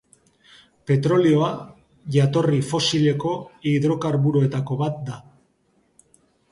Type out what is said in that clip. Petrolioa jatorri fosileko hidrokarburoetako bat da.